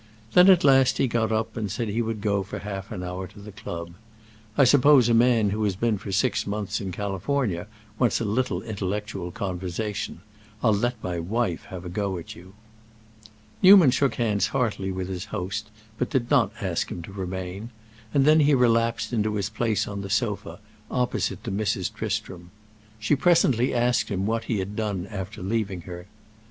Then at last he got up and said he would go for half an hour to the club. "I suppose a man who has been for six months in California wants a little intellectual conversation. I'll let my wife have a go at you." Newman shook hands heartily with his host, but did not ask him to remain; and then he relapsed into his place on the sofa, opposite to Mrs. Tristram. She presently asked him what he had done after leaving her.